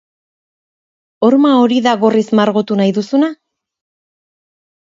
Horma hori da gorriz margotu nahi duzuna?